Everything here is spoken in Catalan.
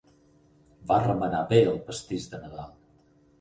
Va remenar bé el pastís de Nadal.